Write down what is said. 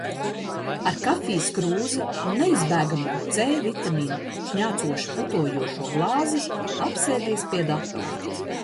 Ar kafijas krūzi un neizbēgamo C vitamīna šņācoši putojošo glāzi apsēdies pie datora.